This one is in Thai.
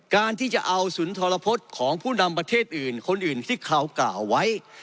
การที่จะเอาสุนทรพฤษของผู้นำประเทศอื่นคนอื่นที่เขากล่าวไว้